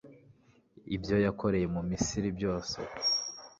ibyo yakoreye mu misiri byose